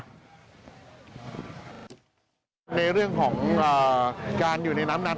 ในเรื่องของการอยู่ในน้ำนั้น